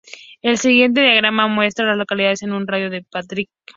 El siguiente diagrama muestra a las localidades en un radio de de Patrick.